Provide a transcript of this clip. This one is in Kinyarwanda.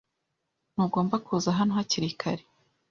Ntugomba kuza hano hakiri kare.